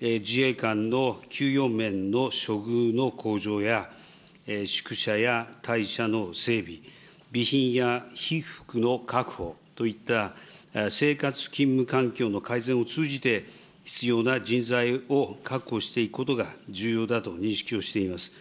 自衛官の給与面の処遇の向上や、宿舎や隊舎の整備、備品や被服の確保といった、生活勤務環境の改善を通じて、必要な人材を確保していくことが重要だと認識をしています。